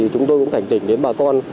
chúng tôi cũng cảnh tỉnh đến bà con